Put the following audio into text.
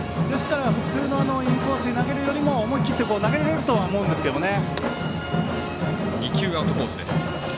インコースに投げるよりも思い切って投げられるとは思うんですけどね。